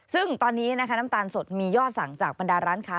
ซึ่งตอนนี้นะคะน้ำตาลสดมียอดสั่งจากบรรดาร้านค้า